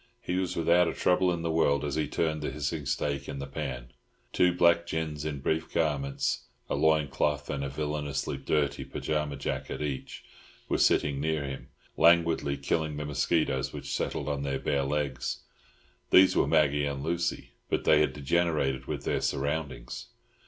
He was without a trouble in the world as he turned the hissing steak in the pan. Two black gins in brief garments—a loin cloth and a villainously dirty pyjama jacket each—were sitting near him, languidly killing the mosquitoes which settled on their bare legs. These were Maggie and Lucy, but they had degenerated with their surroundings.